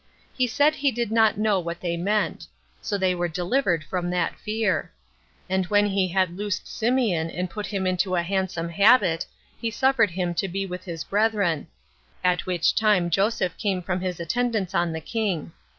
He said he did not know what they meant: so they were delivered from that fear. And when he had loosed Symeon, and put him into a handsome habit, he suffered him to be with his brethren; at which time Joseph came from his attendance on the king.